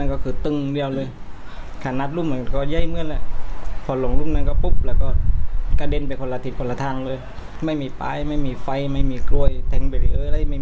พ่อกับลูกกระเด็นไปคนละทางเลยค่ะ